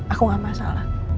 aku gak masalah